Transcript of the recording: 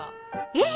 えっ？